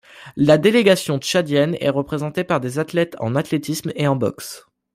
La délégation tchadienne est représentée par des athlètes en athlétisme et en boxe.